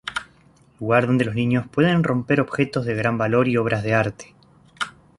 Lugar donde los niños pueden romper objetos de gran valor y obras de arte.